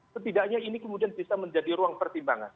setidaknya ini kemudian bisa menjadi ruang pertimbangan